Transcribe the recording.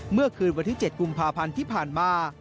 เมื่อคืนวันที่๗กุมภาพันธ์ที่ผ่านมา